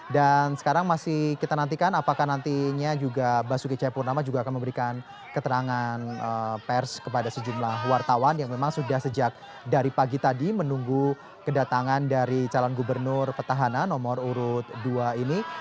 dan sekarang masih kita nantikan apakah nantinya juga basuki c purnama juga akan memberikan keterangan pers kepada sejumlah wartawan yang memang sudah sejak dari pagi tadi menunggu kedatangan dari calon gubernur petahana nomor urut dua ini